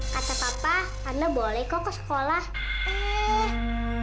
kata papa anda boleh kok ke sekolah